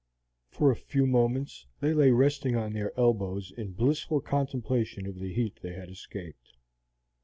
For a few moments they lay resting on their elbows in blissful contemplation of the heat they had escaped.